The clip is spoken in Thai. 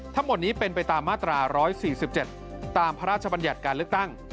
ทั้งหมดนี้เป็นไปตามมาตรา๑๔๗ตามพระราชบัญญัติการเลือกตั้ง